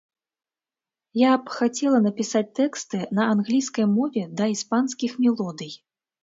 Я б хацела напісаць тэксты на англійскай мове да іспанскіх мелодый.